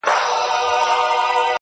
يوه ورځ پر اوداسه ناست پر گودر وو.!